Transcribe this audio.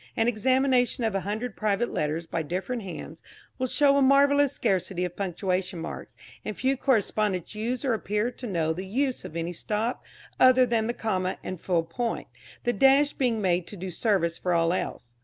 An examination of a hundred private letters by different hands will show a marvellous scarcity of punctuation marks, and few correspondents use or appear to know the use of any stop other than the comma and full point, the dash being made to do service for all else.